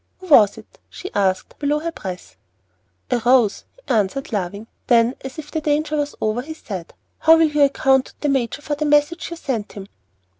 "Who was it?" she asked, below her breath. "A Rose," he answered, laughing. Then, as if the danger was over, he said, "How will you account to the major for the message you sent him?"